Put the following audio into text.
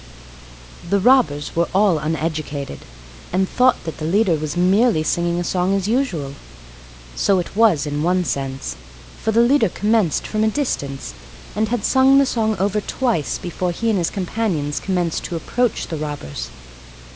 The robbers were all uneducated, and thought that the leader was merely singing a song as usual. So it was in one sense: for the leader commenced from a distance, and had sung the song over twice before he and his companions commenced to approach the robbers.